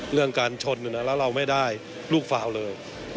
เรื่องการชนแล้วเราไม่ได้ลูกฟาวเลย